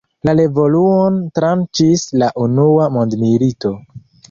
La evoluon tranĉis la unua mondmilito.